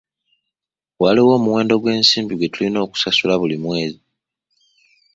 Waliwo omuwendo gw'ensimbi gwe tulina okusasula buli mwezi.